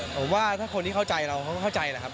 ผมว่าถ้าคนที่เข้าใจเราก็เข้าใจแหละครับ